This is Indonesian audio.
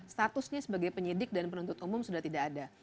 statusnya sebagai penyidik dan penuntut umum sudah tidak ada